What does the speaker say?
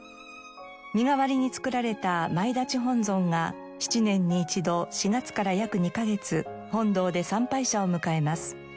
身代わりに作られた前立本尊が７年に一度４月から約２カ月本堂で参拝者を迎えます。